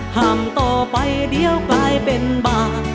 ห่างต่อไปเดี๋ยวกลายเป็นบ่า